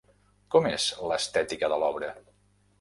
Com és l'estètica de l'obra?